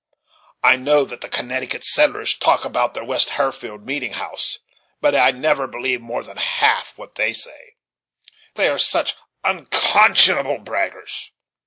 I know that the Connecticut settlers talk about their West Herfield meeting house; but I never believe more than half what they say, they are such unconscionable braggers.